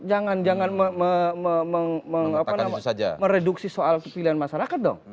jangan jangan mereduksi soal kepilihan masyarakat dong